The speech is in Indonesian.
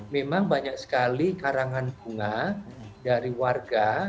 memang banyak sekali karangan bunga dari warga